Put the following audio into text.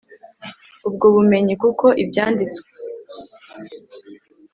ubwo bumenyi kuko ibyanditse